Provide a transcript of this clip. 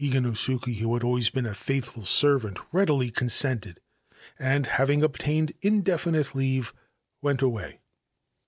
Iganosuke, who had always been a faithful servant, readily consented, and, having obtained indefinite leave, went away.